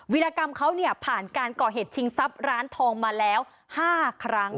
วิรากรรมเขาเนี่ยผ่านการก่อเหตุชิงทรัพย์ร้านทองมาแล้ว๕ครั้ง